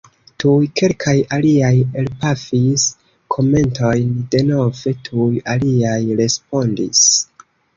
Tuj kelkaj aliaj elpafis komentojn, denove tuj aliaj respondis.